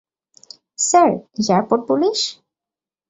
Sir, airport police?